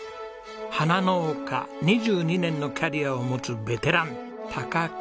花農家２２年のキャリアを持つベテラン木豊さんです。